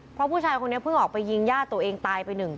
เพราะผู้ชายคนนี้เพิ่งออกไปยิงญาติตัวเองตายไปหนึ่ง